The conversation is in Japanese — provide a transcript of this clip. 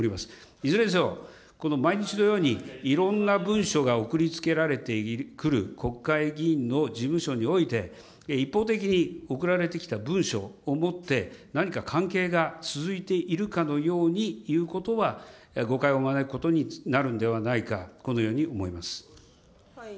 いずれにせよ、この毎日のように、いろんな文書が送り付けられてくる国会議員の事務所において、一方的に送られてきた文書をもって、何か関係が続いているかのようにいうことは誤解を招くことになるのではないか、このように思います。